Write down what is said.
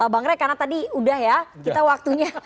bang rey karena tadi udah ya kita waktunya